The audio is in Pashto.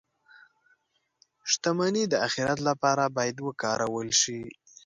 • شتمني د آخرت لپاره باید وکارول شي.